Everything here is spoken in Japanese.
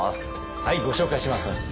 はいご紹介します。